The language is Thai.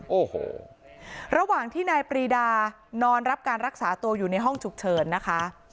โอ้โหระหว่างที่นายปรีดานอนรับการรักษาตัวอยู่ในห้องฉุกเฉินนะคะ